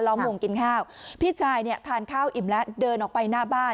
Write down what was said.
้อมวงกินข้าวพี่ชายเนี่ยทานข้าวอิ่มแล้วเดินออกไปหน้าบ้าน